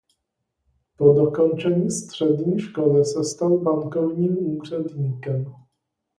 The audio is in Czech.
Po dokončení střední školy se stal bankovním úředníkem.